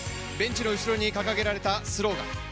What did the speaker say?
ベンチの後ろに掲げられたスローガン。